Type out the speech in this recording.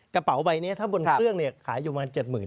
กระเป๋าใบนี้ถ้าบนเครื่องขายอยู่ประมาณ๗๐๐